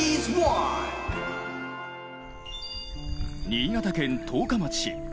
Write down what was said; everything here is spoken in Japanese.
新潟県十日町。